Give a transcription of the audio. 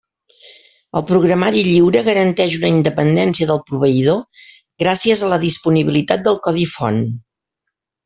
El programari lliure garanteix una independència del proveïdor gràcies a la disponibilitat del codi font.